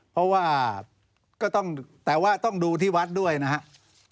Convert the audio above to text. เพราะว่าก็ต้องแต่ว่าต้องดูที่วัดด้วยนะครับ